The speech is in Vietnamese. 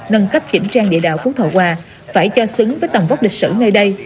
nâng cấp chỉnh trang địa đạo phú thọ hòa phải cho xứng với tầm vóc lịch sử nơi đây